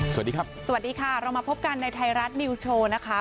สวัสดีครับสวัสดีค่ะเรามาพบกันในไทยรัฐนิวส์โชว์นะคะ